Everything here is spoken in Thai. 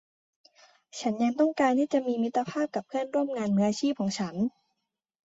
ฉันยังต้องการที่จะมีมิตรภาพกับเพื่อนร่วมงานมืออาชีพของฉัน